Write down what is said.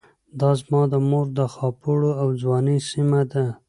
دا زما د مور د خاپوړو او ځوانۍ سيمه ده.